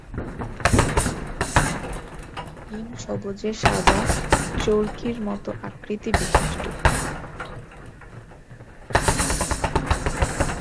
ডিম সবজে সাদা, চাকতির মতো আকৃতি বিশিষ্ট।